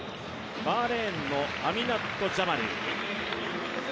バーレーンのアミナット・ジャマル。